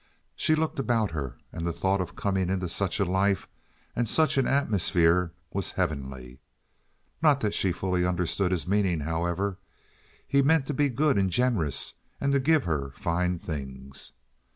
She looked about her and the thought of coming into such a life and such an atmosphere was heavenly. Not that she fully understood his meaning, however. He meant to be good and generous, and to give her fine things.